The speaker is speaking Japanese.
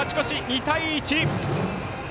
２対１！